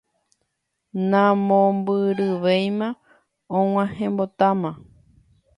Namombyryvéima, ag̃uahẽmbotáma.